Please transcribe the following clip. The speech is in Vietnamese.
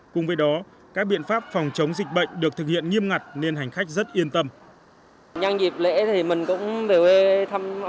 cùng với đó các biện pháp phòng chống dịch bệnh được thực hiện nghiêm ngặt nên hành khách rất yên tâm